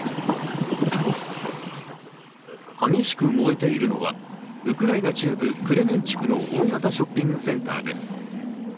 激しく燃えているのはウクライナ中部クレメンチュクの大型ショッピングセンターです。